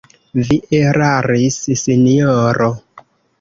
Vi eraris, sinjoro!